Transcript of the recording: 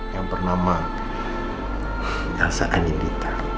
yang bernama elsa anindita